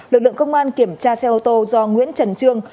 lực lượng công an kiểm tra xe ô tô do nguyễn trần trương